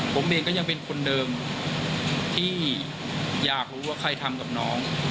ผมเองก็ยังเป็นคนเดิมที่อยากรู้ว่าใครทำกับน้อง